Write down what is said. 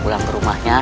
pulang ke rumahnya